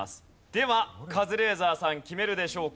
ではカズレーザーさん決めるでしょうか？